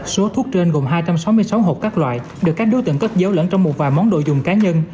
số thuốc trên gồm hai trăm sáu mươi sáu hộp các loại được các đối tượng cất giấu lẫn trong một vài món đồ dùng cá nhân